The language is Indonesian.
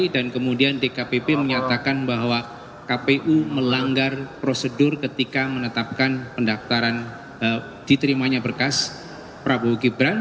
dan kemudian dkpp menyatakan bahwa kpu melanggar prosedur ketika menetapkan pendaftaran diterimanya berkas prabowo gibran